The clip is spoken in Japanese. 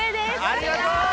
ありがとう！